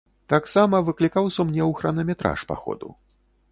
Таксама выклікаў сумнеў хранаметраж паходу.